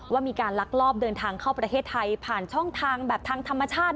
ว่ามีการลักลอบเดินทางเข้าประเทศไทยผ่านช่องทางแบบทางธรรมชาติ